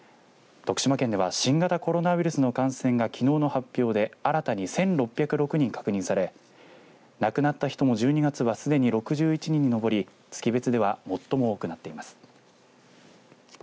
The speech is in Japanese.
徳島県では新型コロナウイルスの感染がきのうの発表で新たに１６０６人確認され亡くなった人も１２月はすでに６１人に上り月別では最も多くなっています。